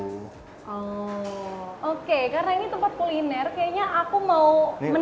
hmm oke karena ini tempat kuliner kayaknya aku mau menikmati